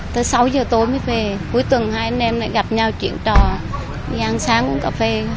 tới sáu giờ tối mới về cuối tuần hai anh em lại gặp nhau chuyện trò gian sáng uống cà phê